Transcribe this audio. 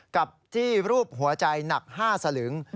กับที่รูปหัวใจหนัก๕สลึง